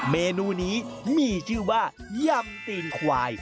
เมนูนี้มีชื่อว่ายำตีนควาย